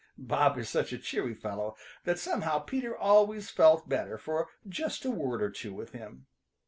Bob is such a cheery fellow that somehow Peter always felt better for just a word or two with him.